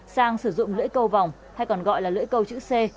sang sử dụng lưỡi câu vòng hay còn gọi là lưỡi câu chữ xe